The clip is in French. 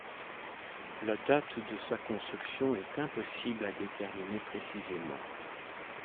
La date de sa construction est impossible à déterminer précisément.